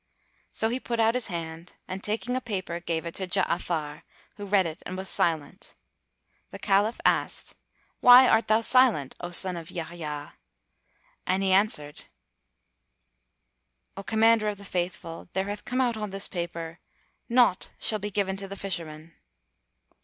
So he put out his hand and taking a paper, gave it to Ja'afar, who read it and was silent. The Caliph asked, "Why art thou silent, O son of Yahya?"; and he answered, "O Commander of the Faithful, there hath come out on this paper, 'Naught shall be given to the Fisherman.'"